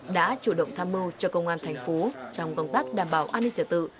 đã chủ động tham mưu cho công an thành phố trong công tác đảm bảo an ninh trật tự